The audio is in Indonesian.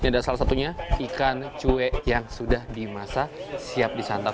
ada salah satunya ikan cuek yang sudah dimasak siap disantap